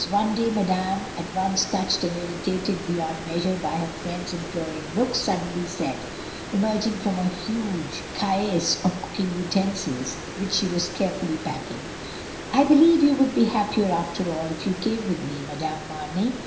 One day, Madame, at once touched and irritated beyond measure by her friend's imploring looks, suddenly said, emerging from a huge caisse of cook ing utensils, which she was carefully packing, "I believe you would be happier, after all, if you came with me, Madame Mamey.